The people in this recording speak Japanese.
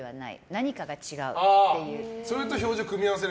何かが違うっていう。